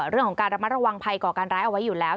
เรื่องของการระมัดระวังภัยก่อการร้ายเอาไว้อยู่แล้ว